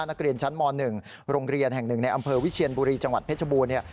นักเรียนชั้นม๑โรงเรียนแห่งหนึ่งในอำเภอวิเชียนบุรีจังหวัดเพชรบูรณเนี่ย